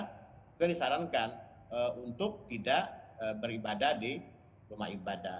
kita disarankan untuk tidak beribadah di rumah ibadah